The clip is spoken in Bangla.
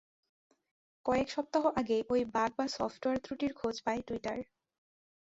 কয়েক সপ্তাহ আগে ওই বাগ বা সফটওয়্যার ত্রুটির খোঁজ পায় টুইটার।